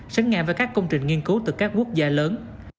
sẵn ngã với các công trình nghiên cứu từ các quốc gia lớn